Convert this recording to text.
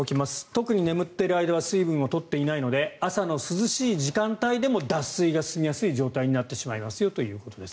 特に眠っている間は水分を取っていないので朝の涼しい時間帯でも脱水が進みやすい状態になってしまいますよということです。